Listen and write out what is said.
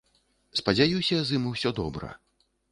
Спадзяюся, з ім ўсё добра.